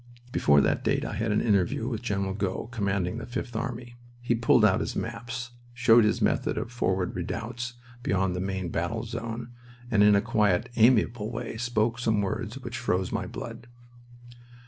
Before that date I had an interview with General Gough, commanding the Fifth Army. He pulled out his maps, showed his method of forward redoubts beyond the main battle zone, and in a quiet, amiable way spoke some words which froze my blood.